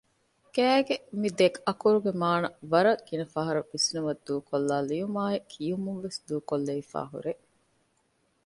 ގައި ގެ މި ދެއަކުރުގެ މާނަ ވަރަށް ގިނަ ފަހަރު ވިސްނުމަށް ދޫކޮށްލައި ލިޔުމާއި ކިޔުމުންވެސް ދޫކޮށްލެވިފައި ހުރޭ